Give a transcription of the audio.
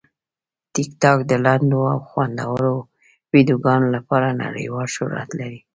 ټیکټاک د لنډو او خوندورو ویډیوګانو لپاره نړیوال شهرت لري.